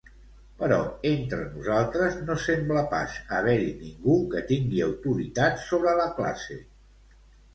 Però entre nosaltres no sembla pas haver-hi ningú que tingui autoritat sobre la classe.